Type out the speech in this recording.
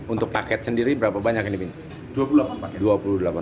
untuk paket sendiri berapa banyak yang diminta